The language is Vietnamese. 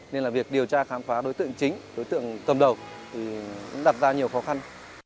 nên là việc điều tra khám phá đối tượng chính đối tượng cầm đầu thì đặt ra nhiều khó khăn